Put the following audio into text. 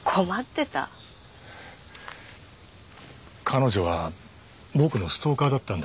彼女は僕のストーカーだったんだ。